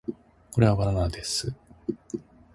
これはバナナです